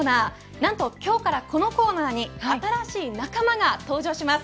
何と今日からこのコーナーに新しい仲間が登場します。